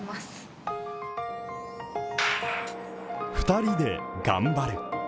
２人で頑張る。